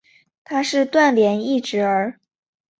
他是段廉义侄儿。